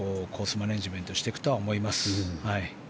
マネジメントしていくとは思います。